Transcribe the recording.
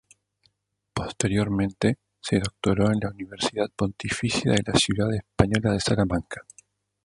Posteriormente se doctoró en la Universidad Pontificia de la ciudad española de Salamanca.